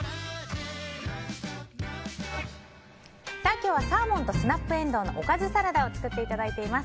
今日は、サーモンとスナップエンドウのおかずサラダ作っていただいています。